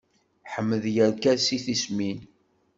Ḥmed yerka deg tismin.